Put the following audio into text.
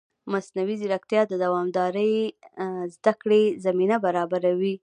مصنوعي ځیرکتیا د دوامدارې زده کړې زمینه برابروي.